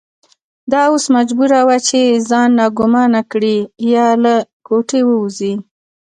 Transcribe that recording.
دا اوس مجبوره وه چې ځان ناګومانه کړي یا له کوټې ووځي.